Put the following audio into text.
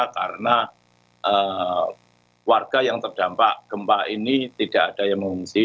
karena warga yang terdampak gempa ini tidak ada yang mengungsi